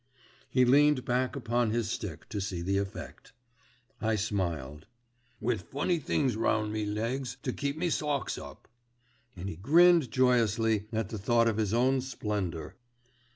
He leaned back upon his stick to see the effect. I smiled. "Wi' funny things round me legs to keep me socks up," and he grinned joyously at the thought of his own splendour.